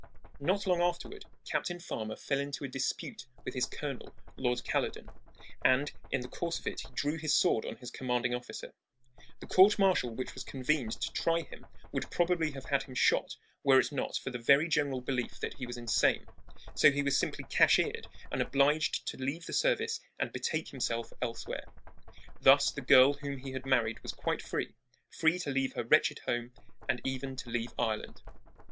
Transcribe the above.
Not long afterward Captain Farmer fell into a dispute with his colonel, Lord Caledon, and in the course of it he drew his sword on his commanding officer. The court martial which was convened to try him would probably have had him shot were it not for the very general belief that he was insane. So he was simply cashiered and obliged to leave the service and betake himself elsewhere. Thus the girl whom, he had married was quite free free to leave her wretched home and even to leave Ireland.